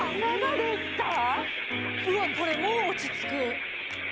うわ、これもう落ち着く。